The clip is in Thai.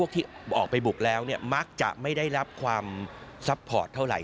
ที่ออกไปบุกแล้วมักจะไม่ได้รับความซัพพอร์ตเท่าไหร